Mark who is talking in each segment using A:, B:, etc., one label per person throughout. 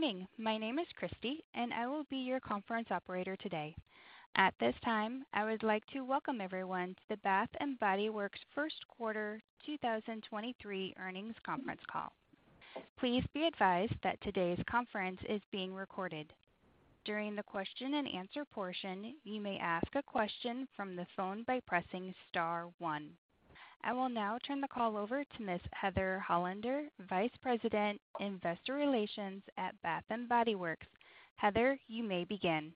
A: Morning. My name is Donna and I will be your conference operator today. At this time, I would like to welcome everyone to the Bath & Body Works first quarter, 2023 earnings conference call. Please be advised that today's conference is being recorded. During the question and answer portion, you may ask a question from the phone by pressing star one. I will now turn the call over to Miss Heather Hollander, Vice President, Investor Relations at Bath & Body Works. Heather, you may begin.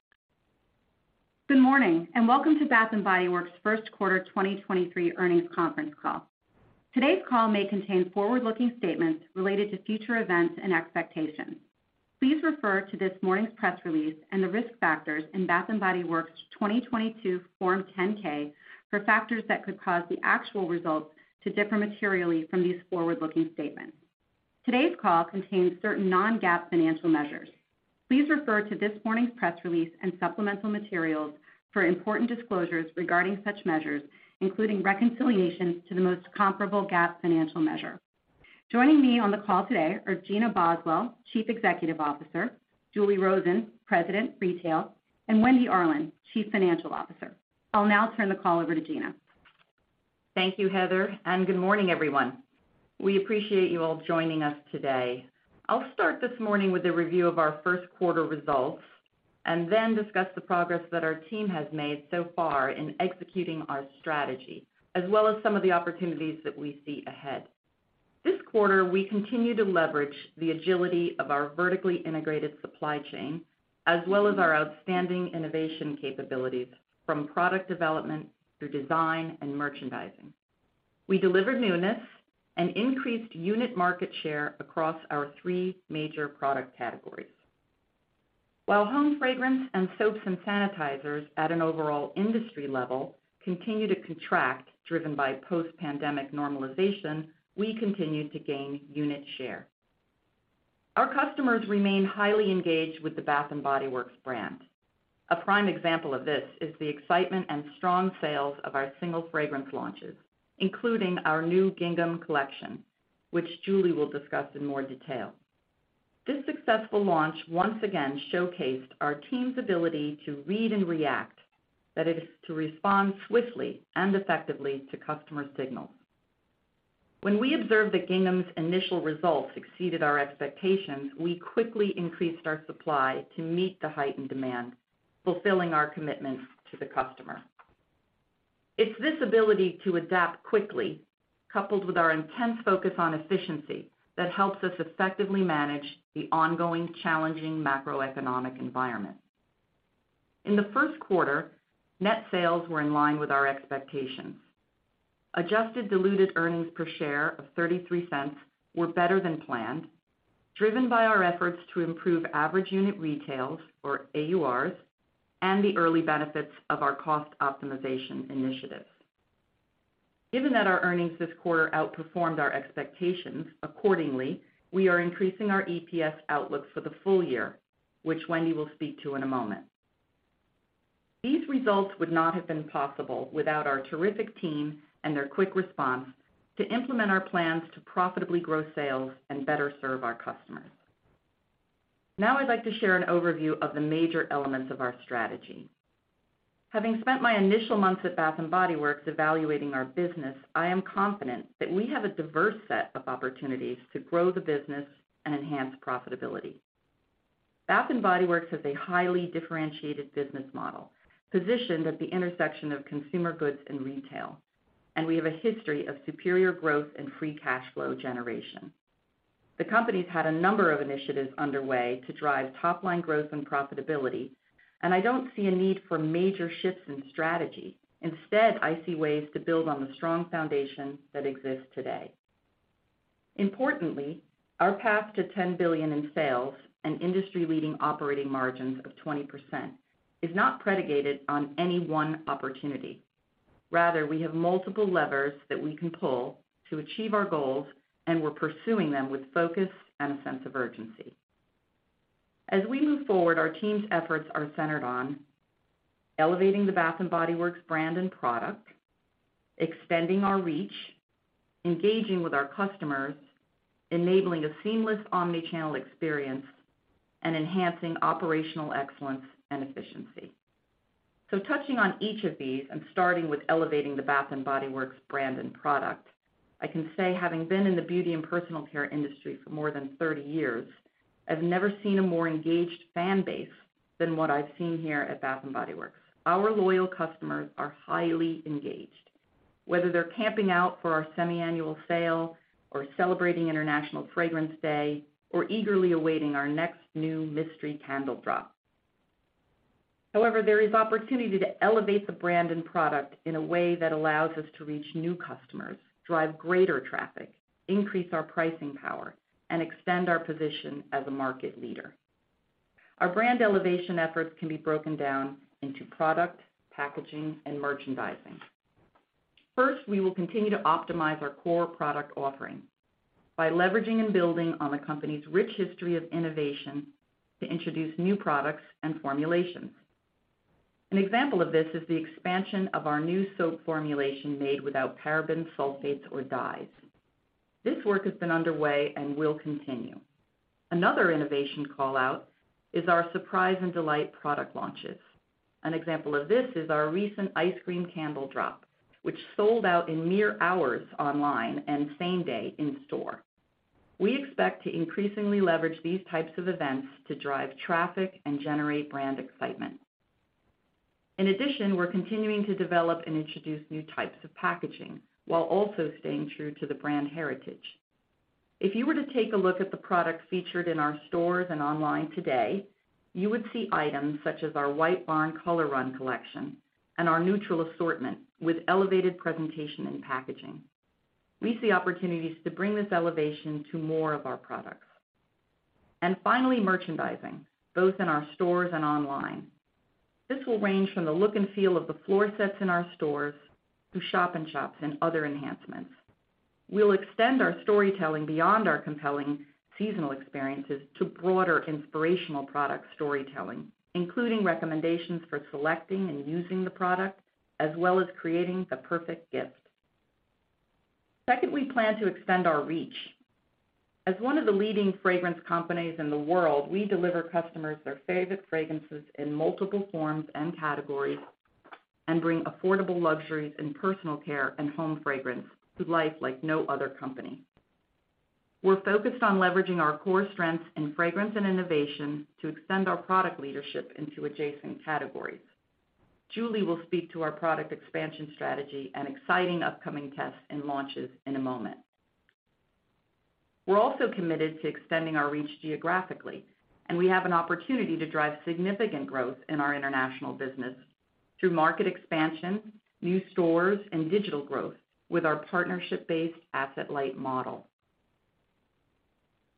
B: Good morning, and welcome to Bath & Body Works first quarter 2023 earnings conference call. Today's call may contain forward-looking statements related to future events and expectations. Please refer to this morning's press release and the risk factors in Bath & Body Works's 2022 Form 10-K for factors that could cause the actual results to differ materially from these forward-looking statements. Today's call contains certain non-GAAP financial measures. Please refer to this morning's press release and supplemental materials for important disclosures regarding such measures, including reconciliations to the most comparable GAAP financial measure. Joining me on the call today are Gina Boswell, Chief Executive Officer; Julie Rosen, President, Retail; and Eva Boratto, Chief Financial Officer. I'll now turn the call over to Gina.
C: Thank you, Heather. Good morning, everyone. We appreciate you all joining us today. I'll start this morning with a review of our first quarter results, and then discuss the progress that our team has made so far in executing our strategy, as well as some of the opportunities that we see ahead. This quarter, we continue to leverage the agility of our vertically integrated supply chain, as well as our outstanding innovation capabilities from product development through design and merchandising. We delivered newness and increased unit market share across our three major product categories. While home fragrance and soaps and sanitizers at an overall industry level continue to contract, driven by post-pandemic normalization, we continued to gain unit share. Our customers remain highly engaged with the Bath & Body Works brand. A prime example of this is the excitement and strong sales of our single fragrance launches, including our new Gingham collection, which Julie will discuss in more detail. This successful launch once again showcased our team's ability to read and react, that is, to respond swiftly and effectively to customer signals. When we observed that Gingham's initial results exceeded our expectations, we quickly increased our supply to meet the heightened demand, fulfilling our commitment to the customer. It's this ability to adapt quickly, coupled with our intense focus on efficiency, that helps us effectively manage the ongoing challenging macroeconomic environment. In the first quarter, net sales were in line with our expectations. Adjusted diluted earnings per share of $0.33 were better than planned, driven by our efforts to improve average unit retails, or AURs, and the early benefits of our cost optimization initiatives. Given that our earnings this quarter outperformed our expectations, accordingly, we are increasing our EPS outlook for the full year, which Eva Boratto will speak to in a moment. These results would not have been possible without our terrific team and their quick response to implement our plans to profitably grow sales and better serve our customers. I'd like to share an overview of the major elements of our strategy. Having spent my initial months at Bath & Body Works evaluating our business, I am confident that we have a diverse set of opportunities to grow the business and enhance profitability. Bath & Body Works has a highly differentiated business model positioned at the intersection of consumer goods and retail. We have a history of superior growth and free cash flow generation. The company's had a number of initiatives underway to drive top-line growth and profitability, and I don't see a need for major shifts in strategy. Instead, I see ways to build on the strong foundation that exists today. Importantly, our path to $10 billion in sales and industry-leading operating margins of 20% is not predicated on any one opportunity. Rather, we have multiple levers that we can pull to achieve our goals, and we're pursuing them with focus and a sense of urgency. As we move forward, our team's efforts are centered on elevating the Bath & Body Works brand and product, extending our reach, engaging with our customers, enabling a seamless omni-channel experience, and enhancing operational excellence and efficiency. Touching on each of these and starting with elevating the Bath & Body Works brand and product, I can say having been in the beauty and personal care industry for more than 30 years, I've never seen a more engaged fan base than what I've seen here at Bath & Body Works. Our loyal customers are highly engaged, whether they're camping out for our semi-annual sale or celebrating International Fragrance Day or eagerly awaiting our next new mystery candle drop. However, there is opportunity to elevate the brand and product in a way that allows us to reach new customers, drive greater traffic, increase our pricing power, and extend our position as a market leader. Our brand elevation efforts can be broken down into product, packaging, and merchandising. We will continue to optimize our core product offering by leveraging and building on the company's rich history of innovation to introduce new products and formulations. An example of this is the expansion of our new soap formulation made without parabens, sulfates, or dyes. This work has been underway and will continue. Innovation call-out is our surprise and delight product launches. An example of this is our recent ice cream candle drop, which sold out in mere hours online and same day in store. We expect to increasingly leverage these types of events to drive traffic and generate brand excitement. We're continuing to develop and introduce new types of packaging while also staying true to the brand heritage. If you were to take a look at the products featured in our stores and online today, you would see items such as our White Barn Color Run collection and our neutral assortment with elevated presentation and packaging. We see opportunities to bring this elevation to more of our products. Finally, merchandising, both in our stores and online. This will range from the look and feel of the floor sets in our stores to shop in shops and other enhancements. We'll extend our storytelling beyond our compelling seasonal experiences to broader inspirational product storytelling, including recommendations for selecting and using the product, as well as creating the perfect gift. Secondly, plan to extend our reach. As one of the leading fragrance companies in the world, we deliver customers their favorite fragrances in multiple forms and categories and bring affordable luxuries in personal care and home fragrance to life like no other company. We're focused on leveraging our core strengths in fragrance and innovation to extend our product leadership into adjacent categories. Julie will speak to our product expansion strategy and exciting upcoming tests and launches in a moment. We're also committed to extending our reach geographically. We have an opportunity to drive significant growth in our international business through market expansion, new stores, and digital growth with our partnership-based asset-light model.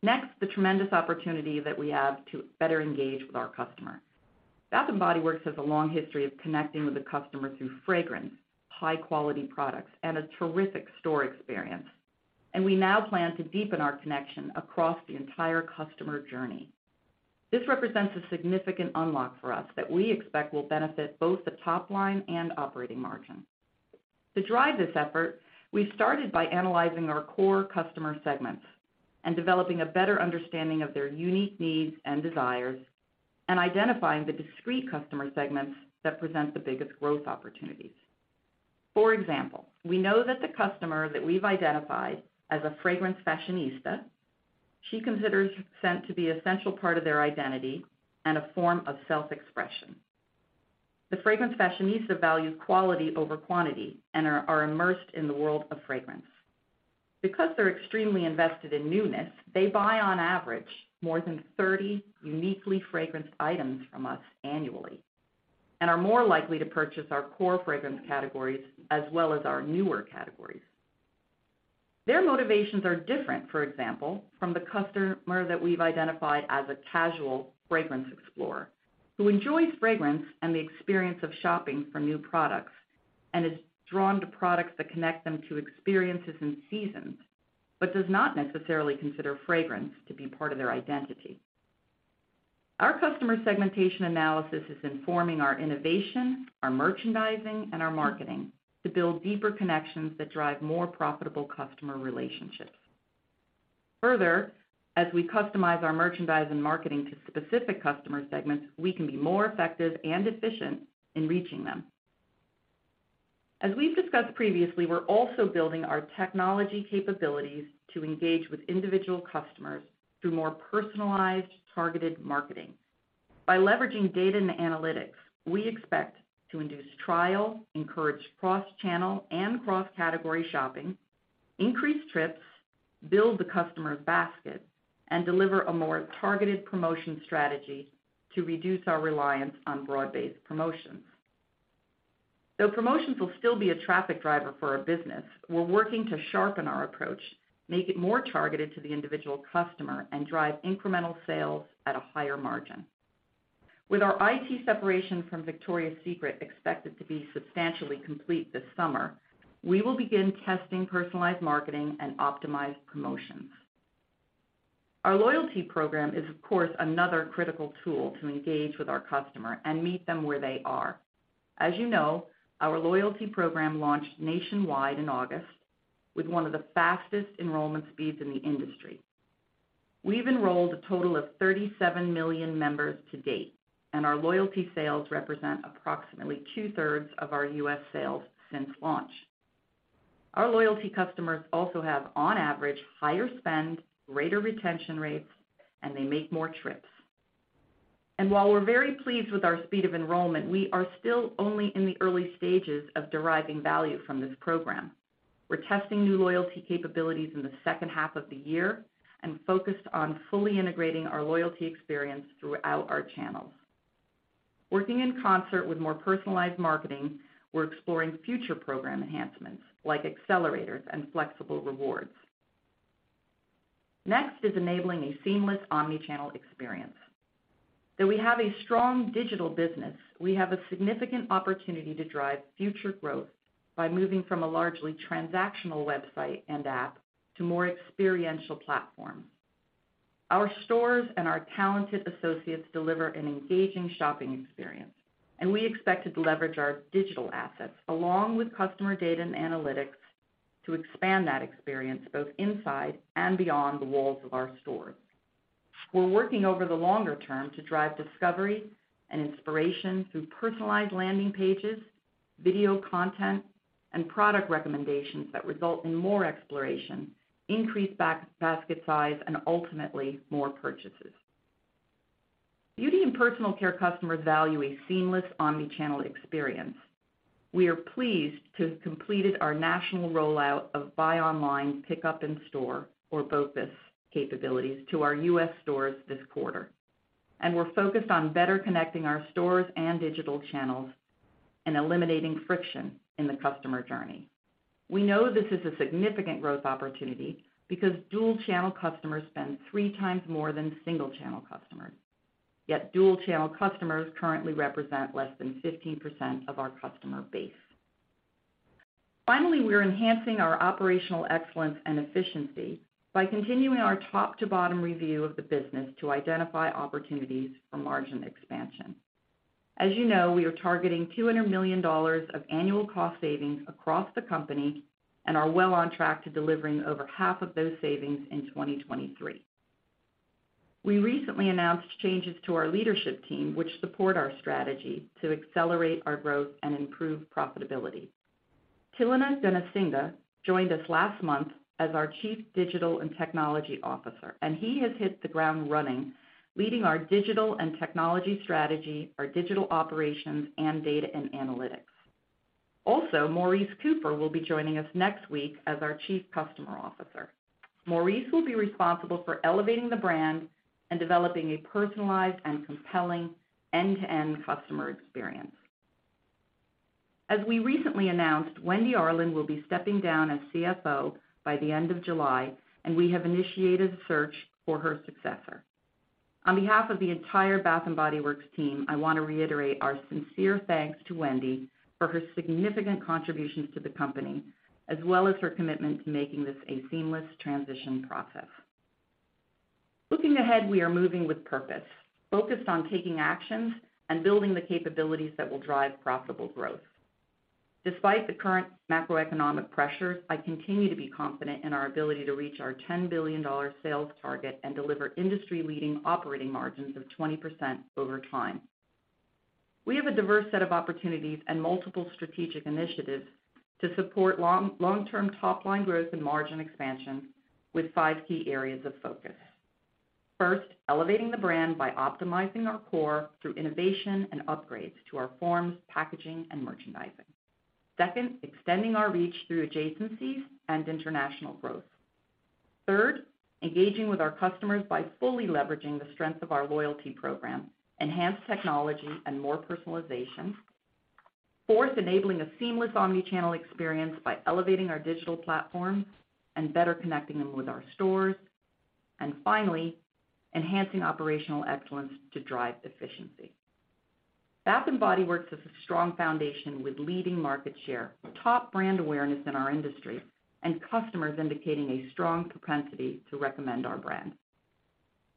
C: Next, the tremendous opportunity that we have to better engage with our customer. Bath & Body Works has a long history of connecting with the customer through fragrance, high-quality products, and a terrific store experience. We now plan to deepen our connection across the entire customer journey. This represents a significant unlock for us that we expect will benefit both the top line and operating margin. To drive this effort, we started by analyzing our core customer segments and developing a better understanding of their unique needs and desires and identifying the discrete customer segments that present the biggest growth opportunities. For example, we know that the customer that we've identified as a fragrance fashionista, she considers scent to be essential part of their identity and a form of self-expression. The fragrance fashionista values quality over quantity and are immersed in the world of fragrance. Because they're extremely invested in newness, they buy on average more than 30 uniquely fragranced items from us annually and are more likely to purchase our core fragrance categories as well as our newer categories. Their motivations are different, for example, from the customer that we've identified as a casual fragrance explorer who enjoys fragrance and the experience of shopping for new products and is drawn to products that connect them to experiences and seasons, but does not necessarily consider fragrance to be part of their identity. Our customer segmentation analysis is informing our innovation, our merchandising, and our marketing to build deeper connections that drive more profitable customer relationships. Further, as we customize our merchandise and marketing to specific customer segments, we can be more effective and efficient in reaching them. As we've discussed previously, we're also building our technology capabilities to engage with individual customers through more personalized, targeted marketing. By leveraging data and analytics, we expect to induce trial, encourage cross-channel and cross-category shopping, increase trips, build the customer's basket, and deliver a more targeted promotion strategy to reduce our reliance on broad-based promotions. Promotions will still be a traffic driver for our business, we're working to sharpen our approach, make it more targeted to the individual customer, and drive incremental sales at a higher margin. With our I.T. separation from Victoria's Secret expected to be substantially complete this summer, we will begin testing personalized marketing and optimized promotions. Our loyalty program is, of course, another critical tool to engage with our customer and meet them where they are. As you know, our loyalty program launched nationwide in August with one of the fastest enrollment speeds in the industry. We've enrolled a total of 37 million members to date, and our loyalty sales represent approximately two-thirds of our U.S. sales since launch. Our loyalty customers also have, on average, higher spend, greater retention rates, and they make more trips. While we're very pleased with our speed of enrollment, we are still only in the early stages of deriving value from this program. We're testing new loyalty capabilities in the second half of the year and focused on fully integrating our loyalty experience throughout our channels. Working in concert with more personalized marketing, we're exploring future program enhancements like accelerators and flexible rewards. Next is enabling a seamless omni-channel experience. Though we have a strong digital business, we have a significant opportunity to drive future growth by moving from a largely transactional website and app to more experiential platforms. Our stores and our talented associates deliver an engaging shopping experience. We expect to leverage our digital assets along with customer data and analytics to expand that experience both inside and beyond the walls of our stores. We're working over the longer term to drive discovery and inspiration through personalized landing pages, video content, and product recommendations that result in more exploration, increased basket size, and ultimately more purchases. Beauty and personal care customers value a seamless omni-channel experience. We are pleased to have completed our national rollout of buy online, pickup in store or BOPUS capabilities to our U.S. stores this quarter. We're focused on better connecting our stores and digital channels and eliminating friction in the customer journey. We know this is a significant growth opportunity because dual-channel customers spend three times more than single-channel customers. Dual-channel customers currently represent less than 15% of our customer base. We are enhancing our operational excellence and efficiency by continuing our top to bottom review of the business to identify opportunities for margin expansion. As you know, we are targeting $200 million of annual cost savings across the company and are well on track to delivering over half of those savings in 2023. We recently announced changes to our leadership team, which support our strategy to accelerate our growth and improve profitability. Thilina Gunasinghe joined us last month as our Chief Digital and Technology Officer, and he has hit the ground running, leading our digital and technology strategy, our digital operations and data and analytics. Maurice Cooper will be joining us next week as our Chief Customer Officer. Maurice will be responsible for elevating the brand and developing a personalized and compelling end-to-end customer experience. As we recently announced, Eva Boratto will be stepping down as CFO by the end of July, and we have initiated a search for her successor. On behalf of the entire Bath & Body Works team, I want to reiterate our sincere thanks to Wendy for her significant contributions to the company, as well as her commitment to making this a seamless transition process. Looking ahead, we are moving with purpose, focused on taking actions and building the capabilities that will drive profitable growth. Despite the current macroeconomic pressures, I continue to be confident in our ability to reach our $10 billion sales target and deliver industry-leading operating margins of 20% over time. We have a diverse set of opportunities and multiple strategic initiatives to support long-term top line growth and margin expansion with five key areas of focus. First, elevating the brand by optimizing our core through innovation and upgrades to our forms, packaging, and merchandising. Second, extending our reach through adjacencies and international growth. Third, engaging with our customers by fully leveraging the strength of our loyalty program, enhanced technology and more personalization. Fourth, enabling a seamless omni-channel experience by elevating our digital platforms and better connecting them with our stores. Finally, enhancing operational excellence to drive efficiency. Bath & Body Works has a strong foundation with leading market share, top brand awareness in our industry, and customers indicating a strong propensity to recommend our brand.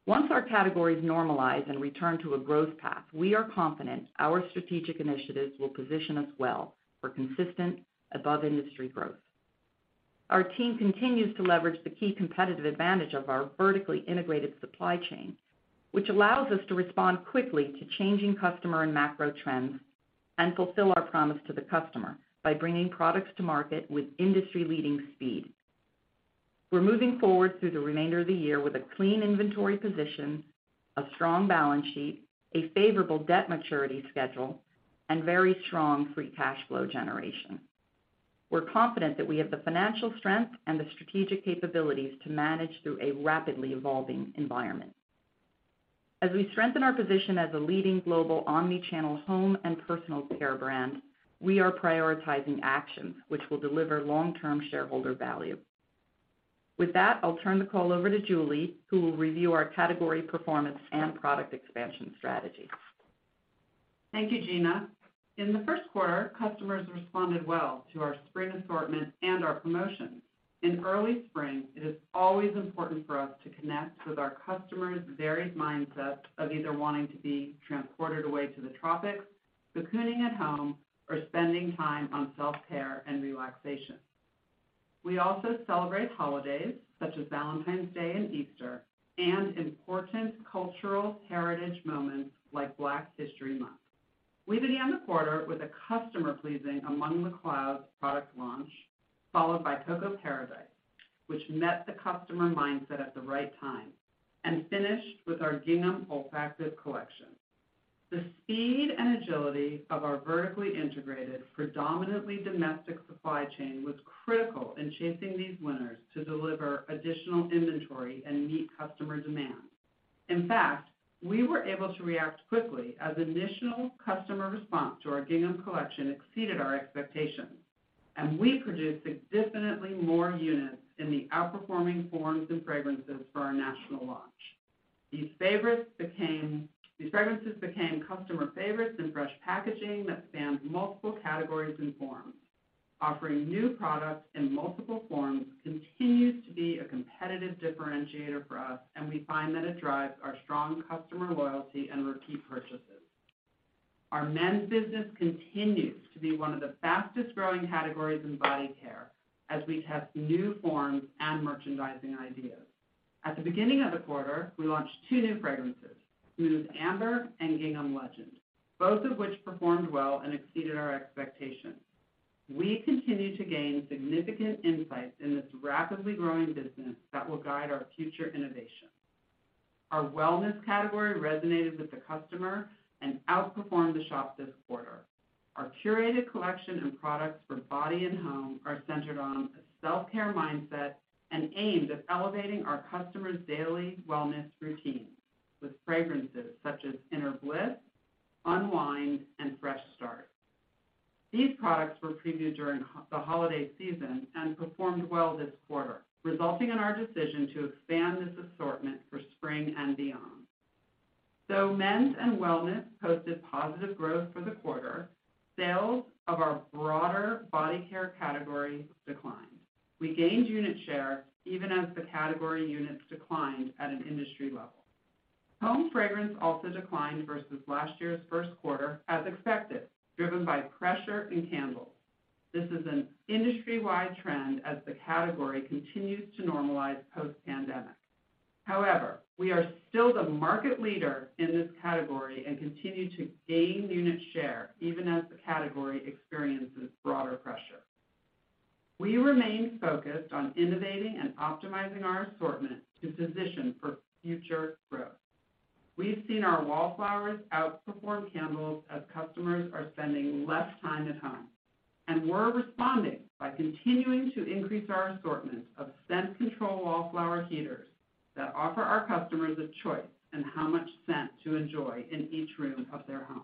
C: Once our categories normalize and return to a growth path, we are confident our strategic initiatives will position us well for consistent above-industry growth. Our team continues to leverage the key competitive advantage of our vertically integrated supply chain, which allows us to respond quickly to changing customer and macro trends and fulfill our promise to the customer by bringing products to market with industry-leading speed. We're moving forward through the remainder of the year with a clean inventory position, a strong balance sheet, a favorable debt maturity schedule, and very strong free cash flow generation. We're confident that we have the financial strength and the strategic capabilities to manage through a rapidly evolving environment. As we strengthen our position as a leading global omni-channel home and personal care brand, we are prioritizing actions which will deliver long-term shareholder value. With that, I'll turn the call over to Julie, who will review our category performance and product expansion strategy.
D: Thank you, Gina. In the first quarter, customers responded well to our spring assortment and our promotions. In early spring, it is always important for us to connect with our customers' varied mindsets of either wanting to be transported away to the tropics, cocooning at home, or spending time on self-care and relaxation. We also celebrate holidays such as Valentine's Day and Easter and important cultural heritage moments like Black History Month. We began the quarter with a customer-pleasing Among the Clouds product launch, followed by Coco Paradise, which met the customer mindset at the right time and finished with our Gingham Olfactive collection. The speed and agility of our vertically integrated, predominantly domestic supply chain was critical in chasing these winners to deliver additional inventory and meet customer demand. In fact, we were able to react quickly as initial customer response to our Gingham collection exceeded our expectations, and we produced significantly more units in the outperforming forms and fragrances for our national launch. These fragrances became customer favorites in fresh packaging that spans multiple categories and forms. Offering new products in multiple forms continues to be a competitive differentiator for us, and we find that it drives our strong customer loyalty and repeat purchases. Our men's business continues to be one of the fastest-growing categories in body care as we test new forms and merchandising ideas. At the beginning of the quarter, we launched two new fragrances, Smooth Amber and Gingham Legend, both of which performed well and exceeded our expectations. We continue to gain significant insights in this rapidly growing business that will guide our future innovation. Our wellness category resonated with the customer and outperformed the shop this quarter. Our curated collection and products for body and home are centered on a self-care mindset and aimed at elevating our customers' daily wellness routines with fragrances such as Inner Bliss, Unwind, and Fresh Start. These products were previewed during the holiday season and performed well this quarter, resulting in our decision to expand this assortment for spring and beyond. Though men's and wellness posted positive growth for the quarter, sales of our broader body care category declined. We gained unit share even as the category units declined at an industry level. Home fragrance also declined versus last year's first quarter as expected, driven by pressure in candles. This is an industry-wide trend as the category continues to normalize post-pandemic. We are still the market leader in this category and continue to gain unit share even as the category experiences broader pressure. We remain focused on innovating and optimizing our assortment to position for future growth. We've seen our Wallflowers outperform candles as customers are spending less time at home. We're responding by continuing to increase our assortment of scent control Wallflower heaters that offer our customers a choice in how much scent to enjoy in each room of their home.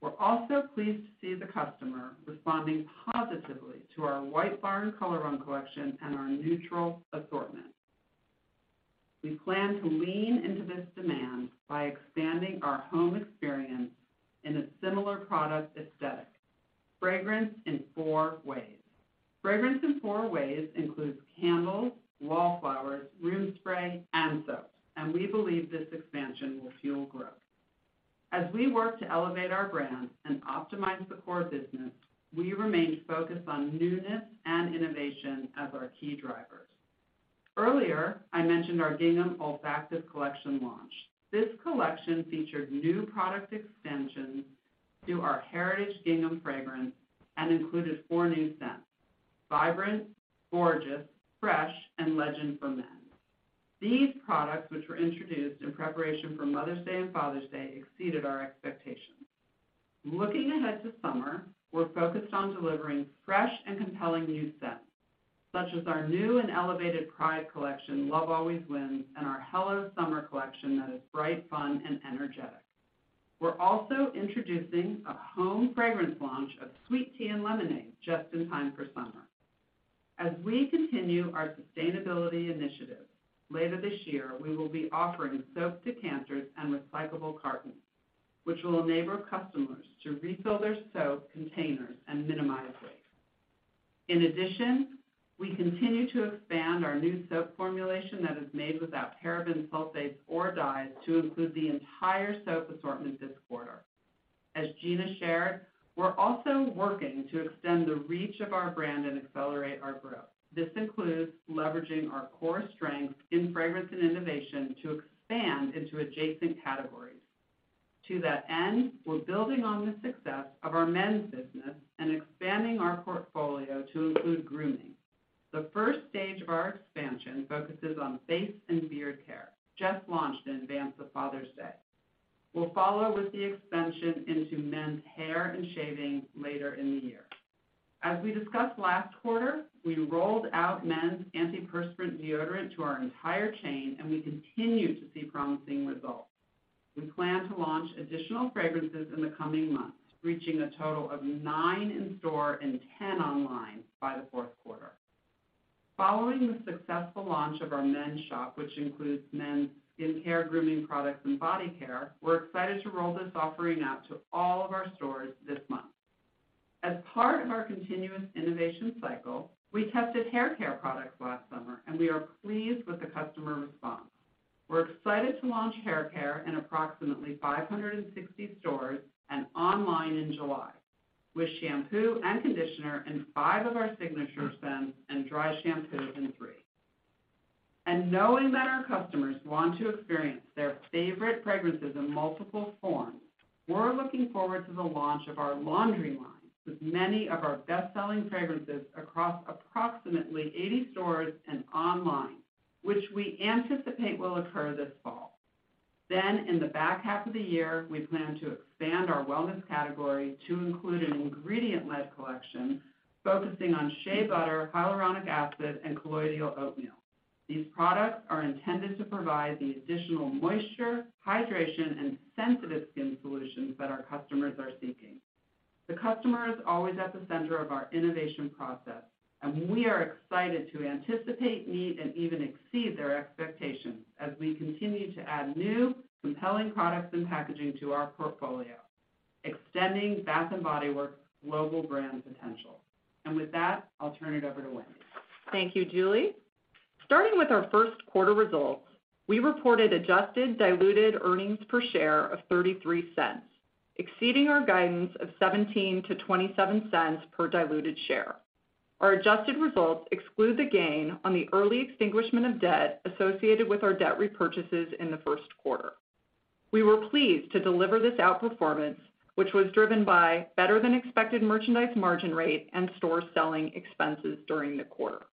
D: We're also pleased to see the customer responding positively to our White Barn Color Own Collection and our neutral assortment. We plan to lean into this demand by expanding our home experience in a similar product aesthetic, Fragrance in Four Ways. Fragrance in Four Ways includes candles, Wallflowers, room spray, and soaps. We believe this expansion will fuel growth. As we work to elevate our brand and optimize the core business, we remain focused on newness and innovation as our key drivers. Earlier, I mentioned our Gingham Olfactive Collection launch. This collection featured new product extensions to our heritage Gingham fragrance and included four new scents: Vibrant, Gorgeous, Fresh, and Legend for Men. These products, which were introduced in preparation for Mother's Day and Father's Day, exceeded our expectations. Looking ahead to summer, we're focused on delivering fresh and compelling new scents, such as our new and elevated Pride collection, Love Always Wins, and our Hello Summer collection that is bright, fun, and energetic. We're also introducing a home fragrance launch of sweet tea and lemonade just in time for summer. As we continue our sustainability initiative, later this year, we will be offering soap decanters and recyclable cartons, which will enable customers to refill their soap containers and minimize waste. In addition, we continue to expand our new soap formulation that is made without parabens, sulfates, or dyes to include the entire soap assortment this quarter. As Gina shared, we're also working to extend the reach of our brand and accelerate our growth. This includes leveraging our core strengths in fragrance and innovation to expand into adjacent categories. To that end, we're building on the success of our men's business and expanding our portfolio to include grooming. The first stage of our expansion focuses on face and beard care, just launched in advance of Father's Day. We'll follow with the expansion into men's hair and shaving later in the year. As we discussed last quarter, we rolled out men's antiperspirant deodorant to our entire chain, and we continue to see promising results. We plan to launch additional fragrances in the coming months, reaching a total of nine in-store and 10 online by the fourth quarter. Following the successful launch of our men's shop, which includes men's skincare grooming products and body care, we're excited to roll this offering out to all of our stores this month. As part of our continuous innovation cycle, we tested haircare products last summer, and we are pleased with the customer response. We're excited to launch haircare in approximately 560 stores and online in July with shampoo and conditioner in five of our signature scents and dry shampoo in three. Knowing that our customers want to experience their favorite fragrances in multiple forms, we're looking forward to the launch of our laundry line with many of our best-selling fragrances across approximately 80 stores and online, which we anticipate will occur this fall. In the back half of the year, we plan to expand our wellness category to include an ingredient-led collection focusing on shea butter, hyaluronic acid, and colloidal oatmeal. These products are intended to provide the additional moisture, hydration, and sensitive skin solutions that our customers are seeking. The customer is always at the center of our innovation process. We are excited to anticipate, meet, and even exceed their expectations as we continue to add new compelling products and packaging to our portfolio, extending Bath & Body Works' global brand potential. With that, I'll turn it over to Eva.
E: Thank you, Julie. Starting with our first quarter results, we reported adjusted diluted earnings per share of $0.33, exceeding our guidance of $0.17-$0.27 per diluted share. Our adjusted results exclude the gain on the early extinguishment of debt associated with our debt repurchases in the first quarter. We were pleased to deliver this outperformance, which was driven by better than expected merchandise margin rate and store selling expenses during the quarter.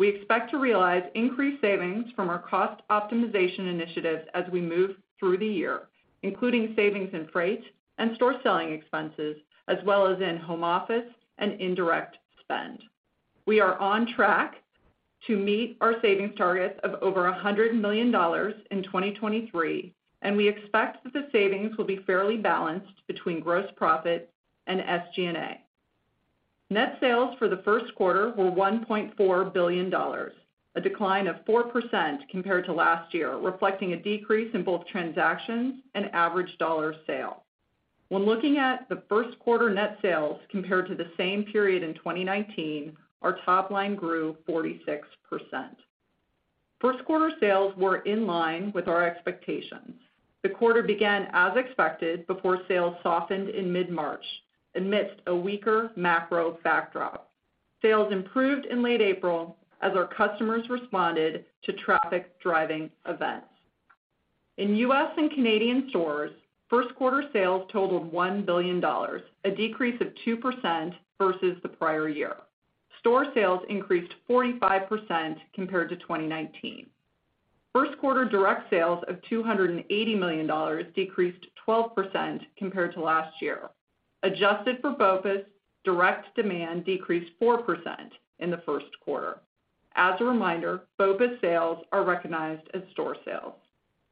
E: We expect to realize increased savings from our cost optimization initiatives as we move through the year, including savings in freight and store selling expenses, as well as in home office and indirect spend. We are on track to meet our savings targets of over $100 million in 2023, and we expect that the savings will be fairly balanced between gross profit and SG&A. Net sales for the first quarter were $1.4 billion, a decline of 4% compared to last year, reflecting a decrease in both transactions and average dollar sale. When looking at the first quarter net sales compared to the same period in 2019, our top line grew 46%. First quarter sales were in line with our expectations. The quarter began as expected before sales softened in mid-March amidst a weaker macro backdrop. Sales improved in late April as our customers responded to traffic-driving events. In U.S. and Canadian stores, first quarter sales totaled $1 billion, a decrease of 2% versus the prior year. Store sales increased 45% compared to 2019. First quarter direct sales of $280 million decreased 12% compared to last year. Adjusted for BOPUS, direct demand decreased 4% in the first quarter. As a reminder, BOPUS sales are recognized as store sales.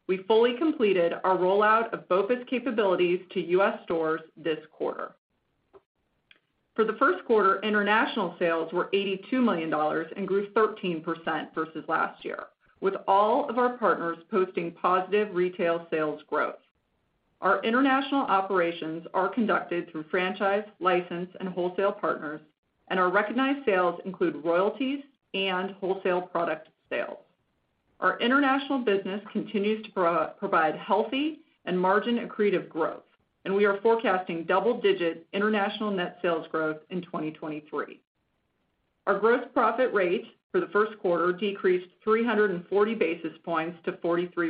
E: We fully completed our rollout of BOPUS capabilities to U.S. stores this quarter. For the first quarter, international sales were $82 million and grew 13% versus last year, with all of our partners posting positive retail sales growth. Our international operations are conducted through franchise, license, and wholesale partners, and our recognized sales include royalties and wholesale product sales. Our international business continues to provide healthy and margin accretive growth, and we are forecasting double-digit international net sales growth in 2023. Our gross profit rate for the first quarter decreased 340 basis points to 43%.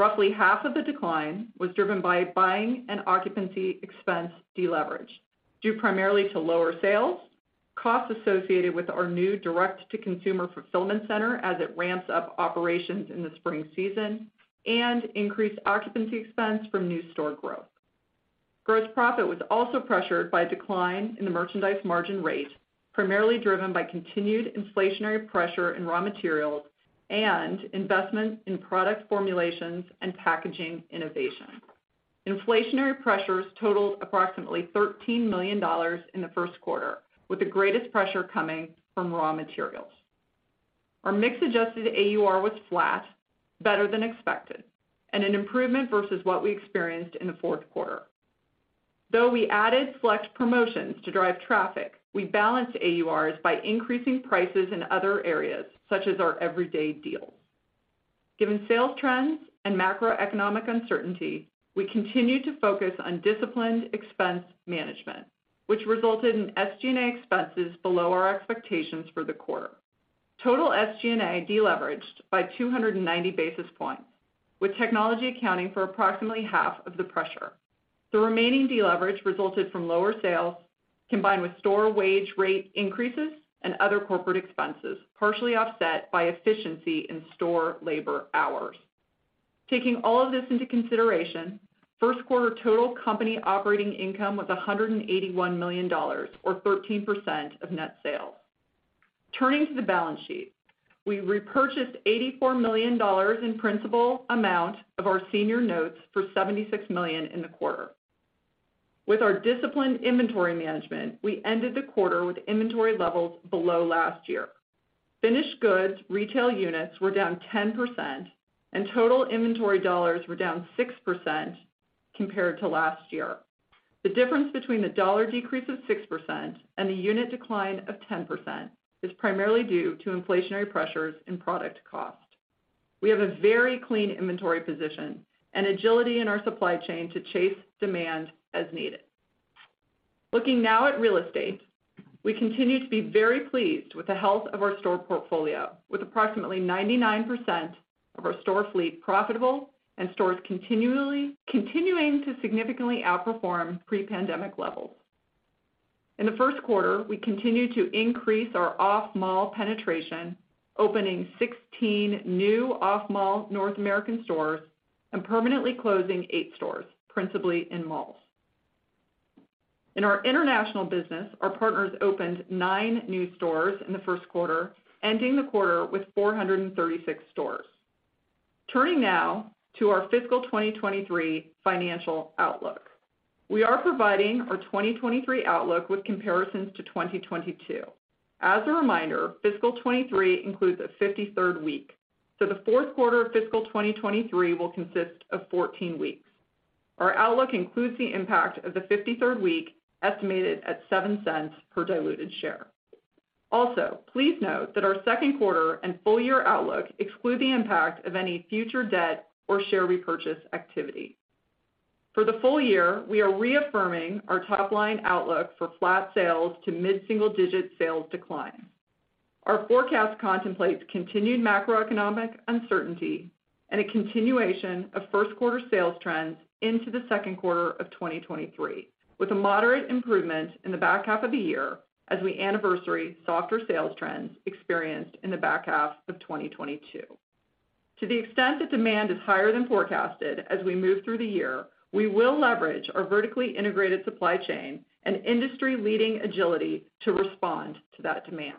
E: Roughly half of the decline was driven by buying and occupancy expense deleverage, due primarily to lower sales, costs associated with our new direct-to-consumer fulfillment center as it ramps up operations in the spring season, and increased occupancy expense from new store growth. Gross profit was also pressured by a decline in the merchandise margin rate, primarily driven by continued inflationary pressure in raw materials and investment in product formulations and packaging innovation. Inflationary pressures totaled approximately $13 million in the first quarter, with the greatest pressure coming from raw materials. Our mix adjusted AUR was flat, better than expected, and an improvement versus what we experienced in the fourth quarter. Though we added select promotions to drive traffic, we balanced AURs by increasing prices in other areas, such as our everyday deals. Given sales trends and macroeconomic uncertainty, we continued to focus on disciplined expense management, which resulted in SG&A expenses below our expectations for the quarter. Total SG&A deleveraged by 290 basis points, with technology accounting for approximately half of the pressure. The remaining deleverage resulted from lower sales combined with store wage rate increases and other corporate expenses, partially offset by efficiency in store labor hours. Taking all of this into consideration, first quarter total company operating income was $181 million or 13% of net sales. Turning to the balance sheet, we repurchased $84 million in principal amount of our senior notes for $76 million in the quarter. With our disciplined inventory management, we ended the quarter with inventory levels below last year. Finished goods retail units were down 10% and total inventory dollars were down 6% compared to last year. The difference between the dollar decrease of 6% and the unit decline of 10% is primarily due to inflationary pressures in product cost. We have a very clean inventory position and agility in our supply chain to chase demand as needed. Looking now at real estate, we continue to be very pleased with the health of our store portfolio, with approximately 99% of our store fleet profitable and stores continuing to significantly outperform pre-pandemic levels. In the first quarter, we continued to increase our off-mall penetration, opening 16 new off-mall North American stores and permanently closing eight stores, principally in malls. In our international business, our partners opened nine new stores in the first quarter, ending the quarter with 436 stores. Turning now to our fiscal 2023 financial outlook. We are providing our 2023 outlook with comparisons to 2022. As a reminder, fiscal 2023 includes a 53rd week, so the fourth quarter of fiscal 2023 will consist of 14 weeks. Our outlook includes the impact of the 53rd week, estimated at $0.07 per diluted share. Also, please note that our second quarter and full year outlook exclude the impact of any future debt or share repurchase activity. For the full year, we are reaffirming our top-line outlook for flat sales to mid-single-digit sales decline. Our forecast contemplates continued macroeconomic uncertainty and a continuation of first quarter sales trends into the second quarter of 2023, with a moderate improvement in the back half of the year as we anniversary softer sales trends experienced in the back half of 2022. To the extent that demand is higher than forecasted as we move through the year, we will leverage our vertically integrated supply chain and industry-leading agility to respond to that demand.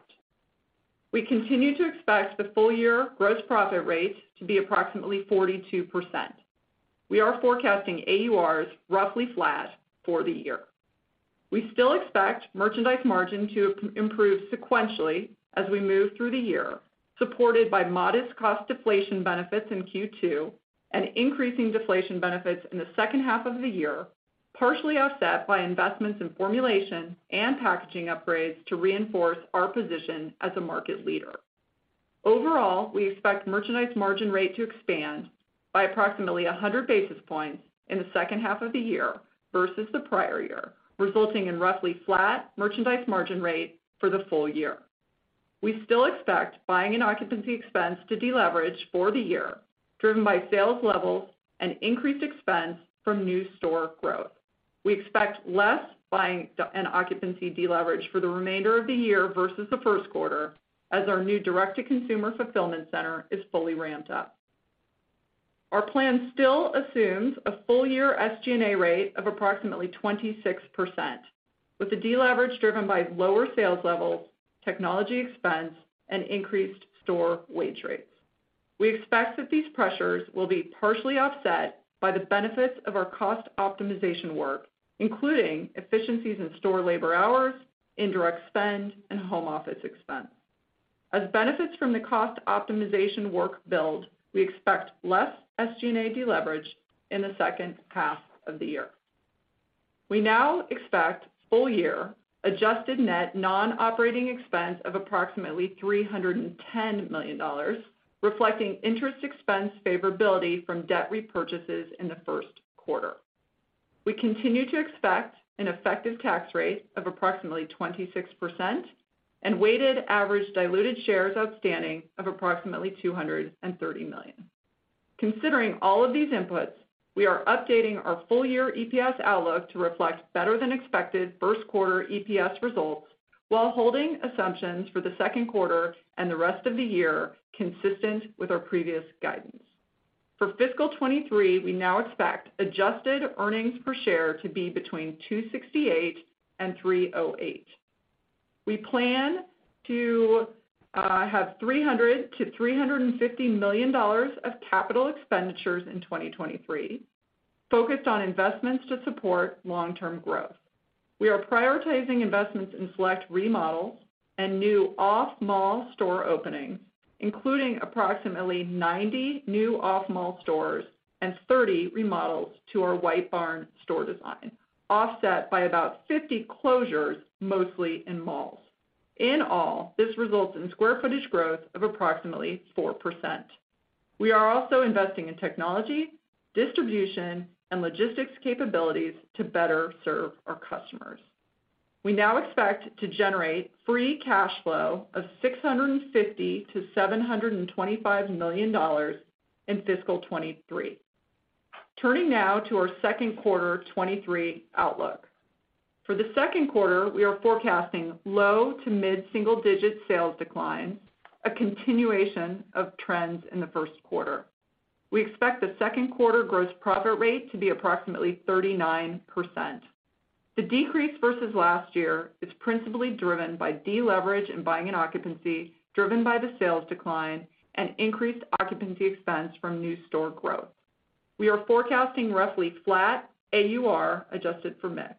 E: We continue to expect the full year gross profit rate to be approximately 42%. We are forecasting AURs roughly flat for the year. We still expect merchandise margin to improve sequentially as we move through the year, supported by modest cost deflation benefits in Q2 and increasing deflation benefits in the second half of the year, partially offset by investments in formulation and packaging upgrades to reinforce our position as a market leader. Overall, we expect merchandise margin rate to expand by approximately 100 basis points in the second half of the year versus the prior year, resulting in roughly flat merchandise margin rate for the full year. We still expect buying and occupancy expense to deleverage for the year, driven by sales levels and increased expense from new store growth. We expect less buying and occupancy deleverage for the remainder of the year versus the first quarter as our new direct-to-consumer fulfillment center is fully ramped up. Our plan still assumes a full-year SG&A rate of approximately 26%, with a deleverage driven by lower sales levels, technology expense, and increased store wage rates. We expect that these pressures will be partially offset by the benefits of our cost optimization work, including efficiencies in store labor hours, indirect spend, and home office expense. As benefits from the cost optimization work build, we expect less SG&A deleverage in the second half of the year. We now expect full year adjusted net non-operating expense of approximately $310 million, reflecting interest expense favorability from debt repurchases in the first quarter. We continue to expect an effective tax rate of approximately 26% and weighted average diluted shares outstanding of approximately 230 million. Considering all of these inputs, we are updating our full-year EPS outlook to reflect better than expected first quarter EPS results while holding assumptions for the second quarter and the rest of the year consistent with our previous guidance. For fiscal 2023, we now expect adjusted earnings per share to be between $2.68 and $3.08. We plan to have $300 million-$350 million of capital expenditures in 2023, focused on investments to support long-term growth. We are prioritizing investments in select remodels and new off-mall store openings, including approximately 90 new off-mall stores and 30 remodels to our White Barn store design, offset by about 50 closures, mostly in malls. In all, this results in square footage growth of approximately 4%. We are also investing in technology, distribution, and logistics capabilities to better serve our customers. We now expect to generate free cash flow of $650 million-$725 million in fiscal 2023. Turning now to our second quarter 2023 outlook. For the second quarter, we are forecasting low to mid-single-digit sales decline, a continuation of trends in the first quarter. We expect the second quarter gross profit rate to be approximately 39%. The decrease versus last year is principally driven by deleverage in buying and occupancy, driven by the sales decline and increased occupancy expense from new store growth. We are forecasting roughly flat AUR, adjusted for mix.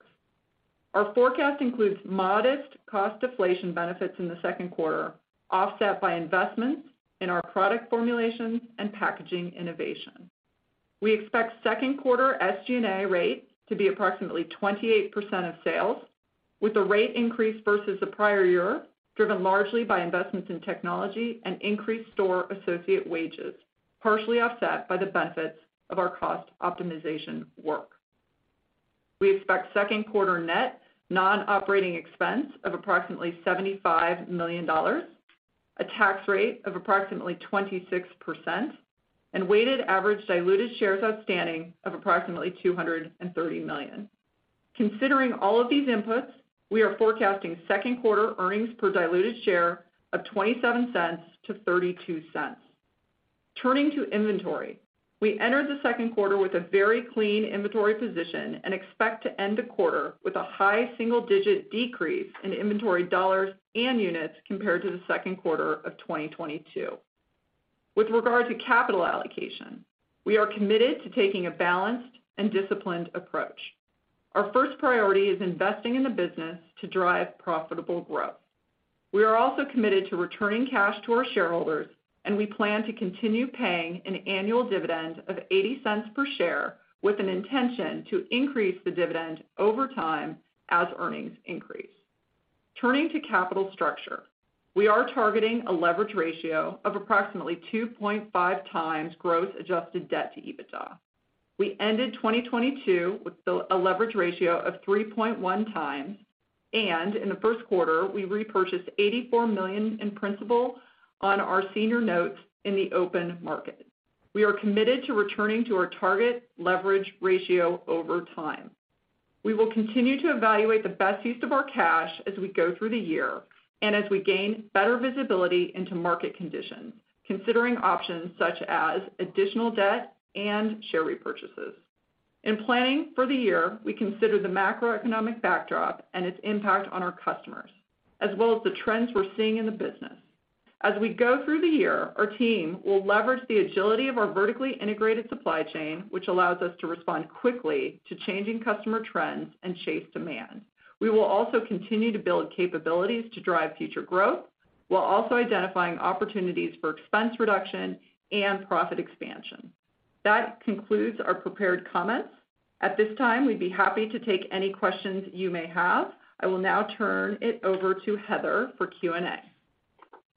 E: Our forecast includes modest cost deflation benefits in the second quarter, offset by investments in our product formulations and packaging innovation. We expect second quarter SG&A rates to be approximately 28% of sales, with the rate increase versus the prior year driven largely by investments in technology and increased store associate wages, partially offset by the benefits of our cost optimization work. We expect second quarter net non-operating expense of approximately $75 million, a tax rate of approximately 26% and weighted average diluted shares outstanding of approximately 230 million. Considering all of these inputs, we are forecasting second quarter earnings per diluted share of $0.27-$0.32. Turning to inventory. We entered the second quarter with a very clean inventory position and expect to end the quarter with a high single-digit decrease in inventory dollars and units compared to the second quarter of 2022. With regard to capital allocation, we are committed to taking a balanced and disciplined approach. Our first priority is investing in the business to drive profitable growth. We plan to continue paying an annual dividend of $0.80 per share with an intention to increase the dividend over time as earnings increase. Turning to capital structure, we are targeting a leverage ratio of approximately 2.5 times gross adjusted debt to EBITDA. We ended 2022 with a leverage ratio of 3.1 times. In the first quarter, we repurchased $84 million in principal on our senior notes in the open market. We are committed to returning to our target leverage ratio over time. We will continue to evaluate the best use of our cash as we go through the year as we gain better visibility into market conditions, considering options such as additional debt and share repurchases. In planning for the year, we consider the macroeconomic backdrop and its impact on our customers, as well as the trends we're seeing in the business. As we go through the year, our team will leverage the agility of our vertically integrated supply chain, which allows us to respond quickly to changing customer trends and chase demand. We will also continue to build capabilities to drive future growth while also identifying opportunities for expense reduction and profit expansion. That concludes our prepared comments. At this time, we'd be happy to take any questions you may have. I will now turn it over to Heather for Q&A.